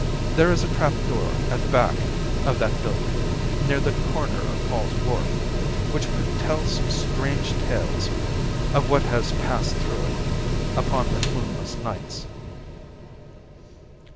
There is a trap door at the back of that building, near the corner of Paul's Wharf, which could tell some strange tales of what has passed through it upon the moonless nights."